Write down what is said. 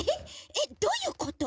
えっどういうこと？